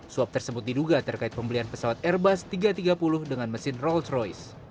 suap tersebut diduga terkait pembelian pesawat airbus tiga ratus tiga puluh dengan mesin rolls royce